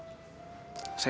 nadia kamu harus berhati hati